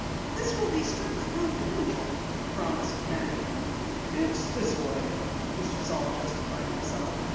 "This will be strictly confidential," promised Penny. "It's this way," Mr. Saal justified himself.